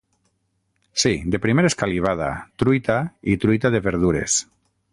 Sí, de primer, escalivada, truita i truita de verdures.